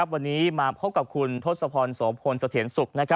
วันนี้มาพบกับคุณทศพรโสพลสะเทียนสุข